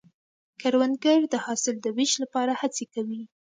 کروندګر د حاصل د ویش لپاره هڅې کوي